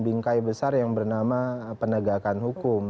bingkai besar yang bernama penegakan hukum